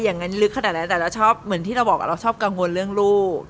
อย่างนั้นลึกขนาดนั้นแต่เราชอบเหมือนที่เราบอกเราชอบกังวลเรื่องลูก